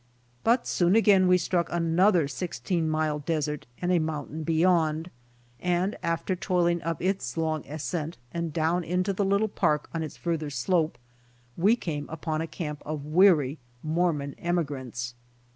But soon again we struck another sixteen mile desert and a mountain beyond, and after toiling up its long ascent and down into the little park on itS' further slope, we came upon a camp of weary jMormon emigrants.